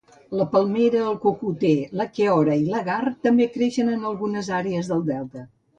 La palmera, el cocoter, la keora i l'agar, també creixen en algunes àrees del delta.